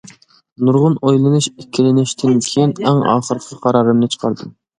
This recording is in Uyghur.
نۇرغۇن ئويلىنىش، ئىككىلىنىشتىن كېيىن ئەڭ ئاخىرقى قارارىمنى چىقاردىم.